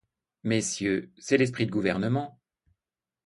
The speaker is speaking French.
Messieurs, c'est l'esprit de gouvernement.